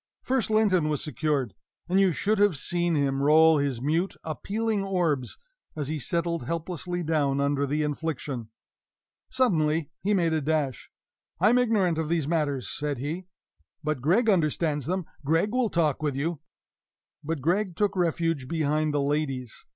First Linton was secured; and you should have seen him roll his mute, appealing orbs, as he settled helplessly down under the infliction. Suddenly he made a dash. "I am ignorant of these matters," said he; "but Gregg understands them Gregg will talk with you." But Gregg took refuge behind the ladies.